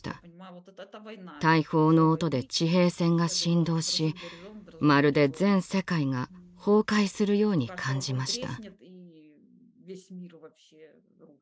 大砲の音で地平線が震動しまるで全世界が崩壊するように感じました。